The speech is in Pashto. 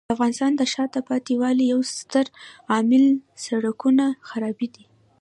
د افغانستان د شاته پاتې والي یو ستر عامل د سړکونو خرابي دی.